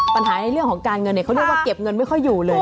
ในเรื่องของการเงินเนี่ยเขาเรียกว่าเก็บเงินไม่ค่อยอยู่เลย